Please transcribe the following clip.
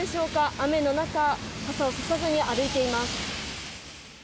雨の中、傘をささずに歩いています。